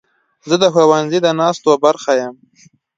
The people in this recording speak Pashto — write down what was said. زه د ښوونځي د ناستو برخه یم.